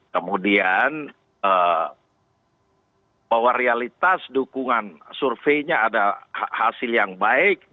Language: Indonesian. kemudian bahwa realitas dukungan surveinya ada hasil yang baik